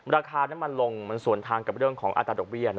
ราคาน้ำมันลงมันส่วนทางกับเรื่องของอัตราดอกเบี้ย